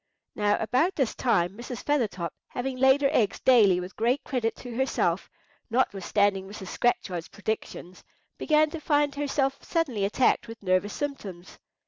Now about this time Mrs. Feathertop, having laid her eggs daily with great credit to herself, notwithstanding Mrs. Scratchard's predictions, began to find herself suddenly attacked with nervous symptoms.